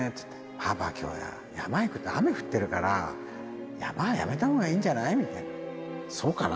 パパ、きょう山行くって、雨降ってるから、山はやめたほうがいいんじゃない？みたいな、そうかな？